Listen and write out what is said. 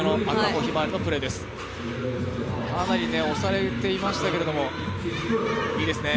かなり押されていましたけど、いいですね。